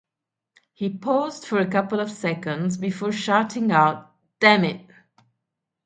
He paused for a couple of seconds before shouting out Damnit!